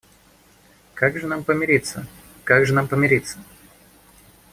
Как же нам помириться, как же нам помириться?